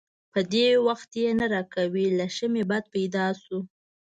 په وخت یې نه راکوي؛ له ښه مې بد پیدا شو.